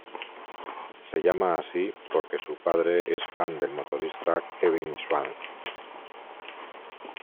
Se llama así porque su padre es fan del motorista Kevin Schwantz.